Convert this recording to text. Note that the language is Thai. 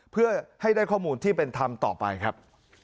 เพื่อให้ได้ข้อมูลที่เป็นธรรมต่อไปครับ